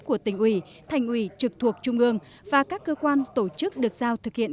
của tỉnh ủy thành ủy trực thuộc trung ương và các cơ quan tổ chức được giao thực hiện